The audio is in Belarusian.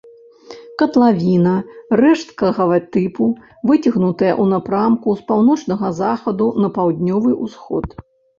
Катлавіна рэшткавага тыпу, выцягнутая ў напрамку з паўночнага захаду на паўднёвы ўсход.